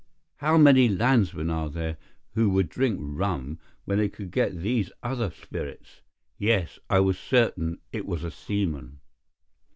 How many landsmen are there who would drink rum when they could get these other spirits? Yes, I was certain it was a seaman."